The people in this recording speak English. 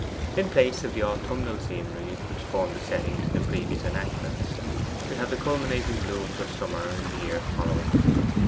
In place of the autumnal scenery which formed a setting to the previous enactments, we have the culminating blooms of summer in the year following.